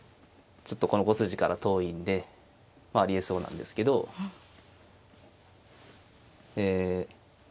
ちょっとこの５筋から遠いんでありえそうなんですけどえ